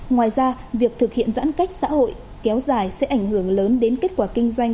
ngoài ra việc thực hiện giãn cách xã hội kéo dài sẽ ảnh hưởng lớn đến kết quả kinh doanh